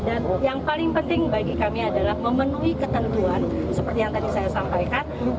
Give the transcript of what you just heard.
dan yang paling penting bagi kami adalah memenuhi ketentuan seperti yang tadi saya sampaikan